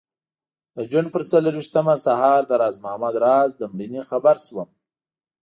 د جون پر څلرویشتمه سهار د راز محمد راز له مړینې خبر شوم.